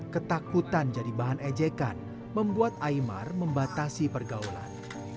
ketakutan jadi bahan ejekan membuat imar membatasi pergaulan